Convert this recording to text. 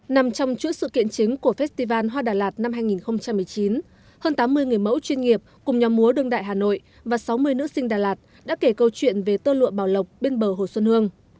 nằm trong chuỗi sự kiện chính của festival hoa đà lạt năm hai nghìn một mươi chín hơn tám mươi người mẫu chuyên nghiệp cùng nhóm múa đương đại hà nội và sáu mươi nữ sinh đà lạt đã kể câu chuyện về tơ lụa bảo lộc bên bờ hồ xuân hương